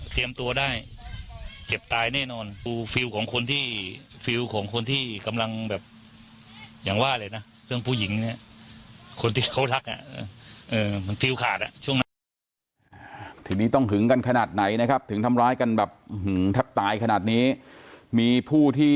เตรียมตัวได้เจ็บตายแน่นอนรู